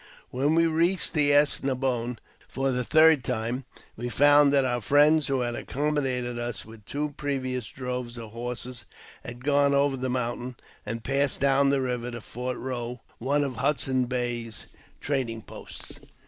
When we reached the As ne boine for the third time, we found that our friends who had accommodated us with the two previous droves of horses had gone over the mountain, and passed down that river to Fort Eow, one of the Hudson's Bay trading posts.